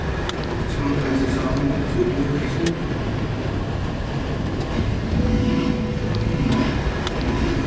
一番大切なのは音を消そうと。